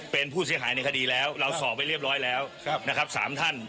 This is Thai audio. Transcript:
เป็นผู้เสียหายในคดีแล้วเราสอบไปเรียบร้อยแล้วนะครับ๓ท่าน